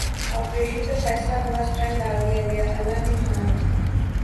operation کا فیصلہ ہوا سٹنٹ ڈال دیا گیا اللہ نے جان